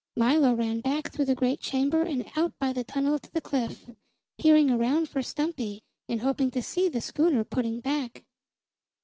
Milo ran back through the great chamber and out by the tunnel to the cliff, peering around for Stumpy and hoping to see the schooner putting back.